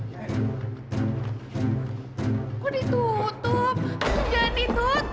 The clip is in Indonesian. kok ditutup jangan ditutup